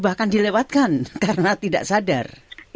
bahkan dilewatkan karena tidak sadar